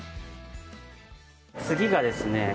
次がですね